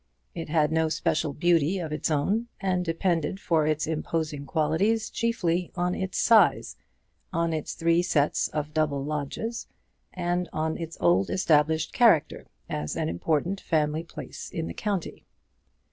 It had no special beauty of its own, and depended for its imposing qualities chiefly on its size, on its three sets of double lodges, and on its old established character as an important family place in the county.